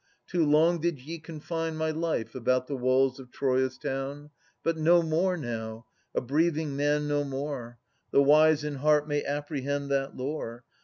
Too long did ye confine My life about the walls of Troia's town : But no more now! a breathing man, no more! The wise in heart may apprehend that lore.